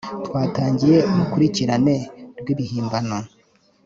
twatangiye urukurikirane rw'ibihimbano